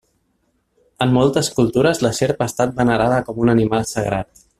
En moltes cultures la serp ha estat venerada com a un animal sagrat.